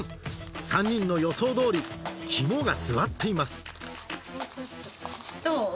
３人の予想どおり肝が据わっていますどう？